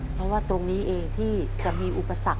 เพราะว่าตรงนี้เองที่จะมีอุปสรรค